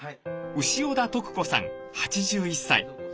潮田登久子さん８１歳。